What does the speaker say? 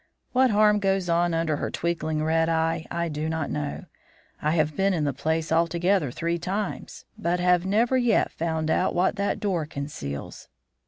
What harm goes on under her twinkling red eye, I do not know. I have been in the place altogether three times, but have never yet found out what that door conceals.